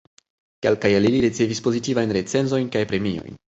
Kelkaj el ili ricevis pozitivajn recenzojn kaj premiojn.